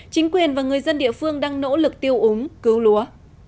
chính quyền và người dân địa phương đang nỗ lực tiêu úng cứu lúa